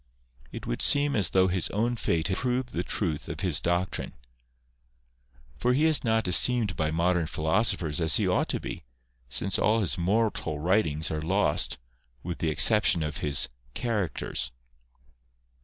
It would seem as though his own fate has proved the truth of his doctrine. For he is not esteemed by modern philoso phers as he ought to be, since all his moral writings are lost, with the exception of his " Characters."